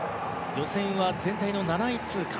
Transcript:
予選は全体の７位通過。